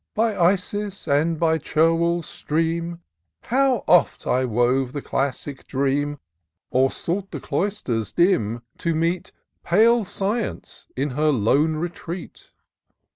By Isis and by Cherwell's stream, How oft I wove the classic dream, Or sought the cloisters dim, to rtieet Pale Science in her lone tetreat